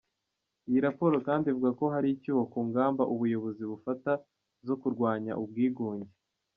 Iyi raporo kandi ivuga ko hari icyuho ku ngamba ubuyobozi bufata zo kurwanya ubwigunge.